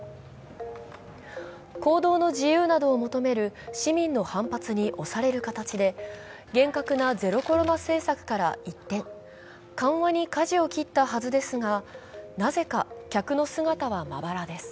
行動の自由などを求める市民の反発に押される形で厳格なゼロコロナ政策から一転緩和にかじを切ったはずですがなぜか客の姿はまばらです。